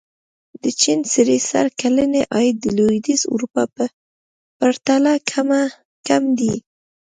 د چین سړي سر کلنی عاید د لوېدیځې اروپا په پرتله کم دی.